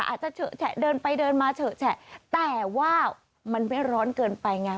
อาจจะเฉอะแฉะเดินไปเดินมาเฉอะแฉะแต่ว่ามันไม่ร้อนเกินไปไง